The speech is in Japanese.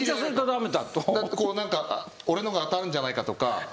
こう何か俺のが当たるんじゃないかとか。